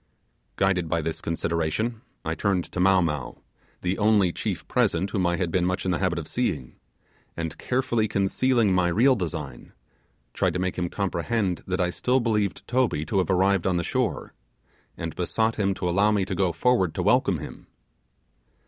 Guided by this consideration, I turned to Mow Mow, the only chief present whom I had been much in the habit of seeing, and carefully concealing, my real design, tried to make him comprehend that I still believed Toby to have arrived on the shore, and besought him to allow me to go forward to welcome him.